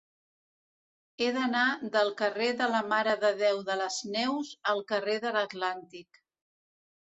He d'anar del carrer de la Mare de Déu de les Neus al carrer de l'Atlàntic.